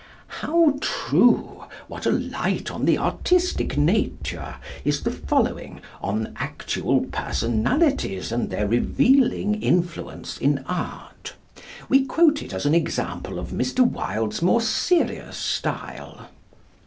How true, what a light on the artistic nature, is the following on actual personalities and their revealing influence in art. We quote it as an example of Mr. Wilde's more serious style.